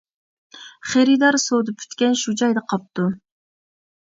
خېرىدار سودا پۈتكەن شۇ جايدا قاپتۇ.